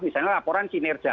misalnya laporan kinerja